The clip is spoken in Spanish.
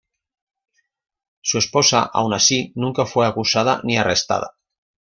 Su esposa aun así nunca fue acusada ni arrestada.